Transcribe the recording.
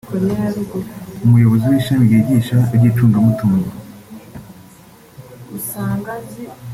umuyobozi w’ishami ryigisha ibyi icungamutungo